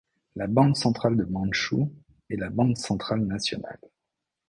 La banque centrale de Mandchou est la banque centrale nationale.